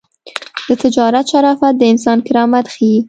د تجارت شرافت د انسان کرامت ښيي.